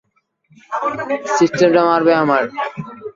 স্টিমারটা লাগবে আমার!